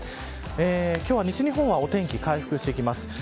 今日は西日本はお天気回復してきます。